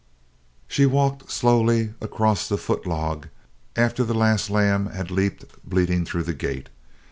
She walked slowly across the foot log after the last lamb had leaped bleating through the gate.